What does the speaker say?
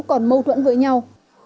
còn mâu thuẫn với nhau